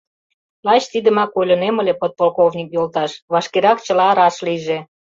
— Лач тидымак ойлынем ыле, подполковник йолташ: вашкерак чыла раш лийже!